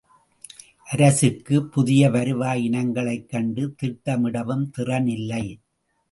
அரசுக்குப் புதிய வருவாய் இனங்களைக் கண்டு திட்டமிடவும் திறன் இல்லை.